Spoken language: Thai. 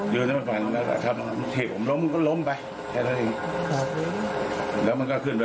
อยู่ในไปกันแล้วจับเข็มเข้มลมก็ล้มไปแค่นั้นเอง